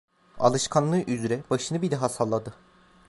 Alışkanlığı üzere başını bir daha salladı…